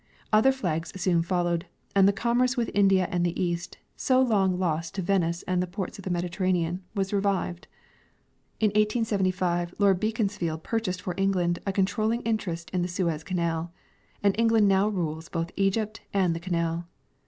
Other flags soon followed, and the commerce with India and the east, so long lost to Venice and the ports of the Mediterranean, was revived. In 1875 Ijord Beaconsfielcl purchased for England a control ling interest in the Suez canal, and England now rules both Egypt and the canal.